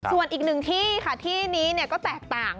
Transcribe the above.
ส่วนอีกหนึ่งที่ค่ะที่นี้ก็แตกต่าง